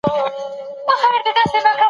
سیاسي اختلافاتو د دښمنۍ بڼه نه درلوده.